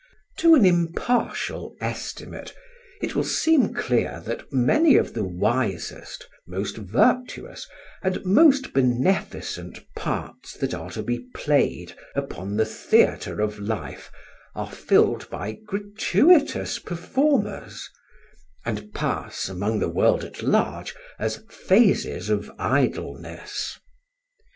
To an impartial estimate it will seem clear that many of the wisest, most virtuous, and most beneficent parts that are to be played upon the Theatre of Life are filled by gratuitous performers, and pass, among the world at large, as phases of idleness.